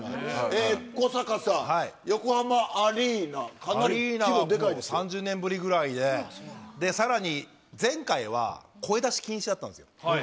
古坂さん、横浜アリーナ、３０年ぶりぐらいで、さらに、前回は声出し禁止だったんですよ。